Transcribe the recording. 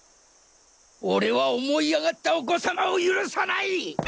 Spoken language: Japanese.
俺は思い上がったお子さまを許さない！